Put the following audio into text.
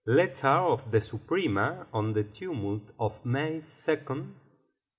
Letter of the Suprema on the Tumult of May 2, 1808.